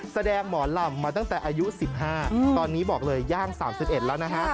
แสดงหมอลำมาตั้งแต่อายุ๑๕ตอนนี้บอกเลยย่าง๓๑แล้วนะฮะ